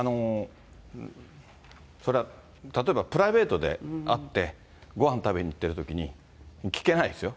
それは例えば、プライベートで会って、ごはん食べに行ってるときに聞けないですよ。